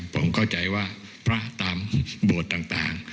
ผมเข้าใจว่าพระตามโบสถ์ต่าง